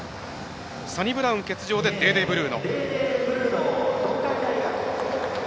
サニブラウン欠場でデーデーブルーノ。